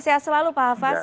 sehat selalu pak hafaz